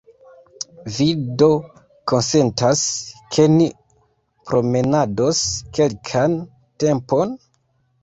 Vi do konsentas, ke ni promenados kelkan tempon?